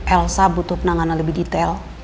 elsa butuh penanganan lebih detail